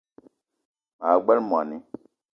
Maa gbele moni